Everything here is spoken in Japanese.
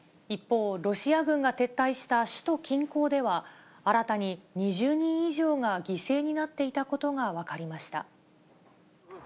一方、ロシア軍が撤退した首都近郊では、新たに２０人以上が犠牲になっていたことが分かりました。